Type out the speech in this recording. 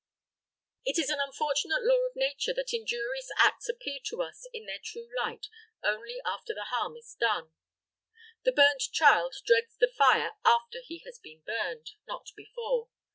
It is an unfortunate law of nature that injurious acts appear to us in their true light only after the harm is done. The burnt child dreads the fire after he has been burned not before.